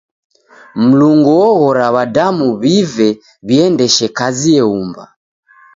Mlungu oghora w'adamu w'ive w'iendeshe kazi eumba.